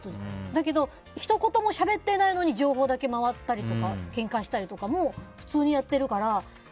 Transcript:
だけど、ひと言もしゃべっていないのに情報だけ回ったりけんかしたりとかも普通にやってるから。